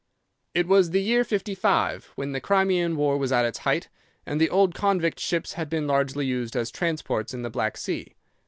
"'It was the year '55 when the Crimean war was at its height, and the old convict ships had been largely used as transports in the Black Sea.